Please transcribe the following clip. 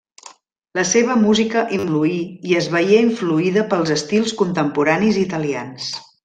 La seva música influí i es veié influïda pels estils contemporanis italians.